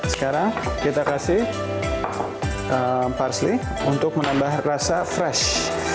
sekarang kita kasih parsley untuk menambah rasa fresh